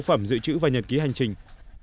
phẩm dự trữ và nhật ký hành trình